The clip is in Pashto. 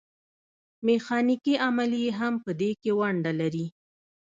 میخانیکي عملیې هم په دې کې ونډه لري.